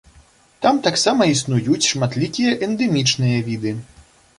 Там таксама існуюць шматлікія эндэмічныя віды.